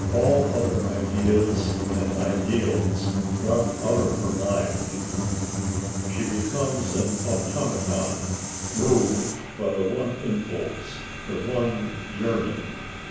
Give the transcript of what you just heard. All other ideas and ideals drop out of her mind; she becomes an automaton moved by the one impulse, the one yearning.